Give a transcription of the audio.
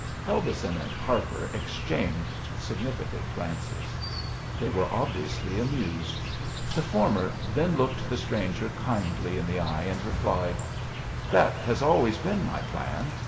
Helberson and Harper exchanged significant glances. They were obviously amused. The former then looked the stranger kindly in the eye and replied: "That has always been my plan.